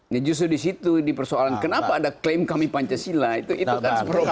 ya justru di situ di persoalan kenapa ada klaim kami pancasila itu kan problemnya